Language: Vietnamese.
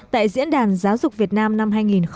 tại diễn đàn giáo dục việt nam năm hai nghìn một mươi chín